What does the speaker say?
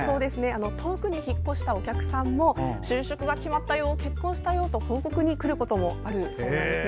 遠くに引っ越したお客さんも就職が決まったよ、結婚したよと報告に来ることもあるそうなんです。